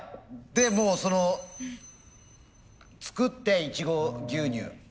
でもうその作ってイチゴ牛乳。